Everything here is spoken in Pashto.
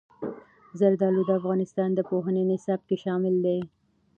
زردالو د افغانستان د پوهنې نصاب کې شامل دي.